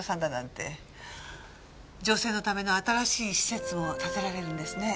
女性のための新しい施設も建てられるんですね。